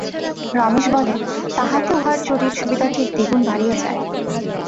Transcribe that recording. রমেশ বলে, তাহাতে উহার চুরির সুবিধা ঠিক দ্বিগুণ বাড়িয়া যায়।